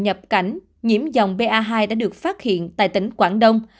nhập cảnh nhiễm dòng ba hai đã được phát hiện tại tỉnh quảng đông